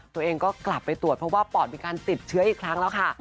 ตัวเองก็กลับไปตรวจเพราะว่าปอดมีการติดเชื้ออีกครั้งแล้วค่ะ